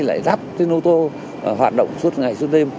lại dắp trên ô tô hoạt động suốt ngày suốt đêm